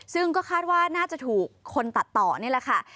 ซึ่งก็คาดว่าน่าจะถูกคนตัดต่อนี่แหละค่ะ